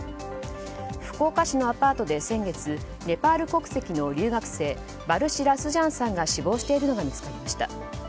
福岡市のアパートで先月、ネパール国籍の留学生バルシラ・スジャンさんが死亡しているのが見つかりました。